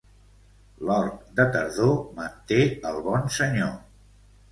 L'hort de tardor manté el bon senyor.